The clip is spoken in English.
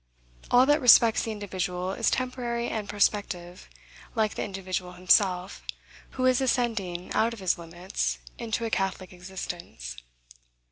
All that respects the individual is temporary and prospective, like the individual himself, who is ascending out of his limits, into a catholic existence.